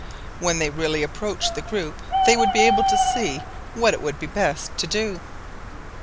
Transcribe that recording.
When they really approached the group they would be able to see what it would be best to do.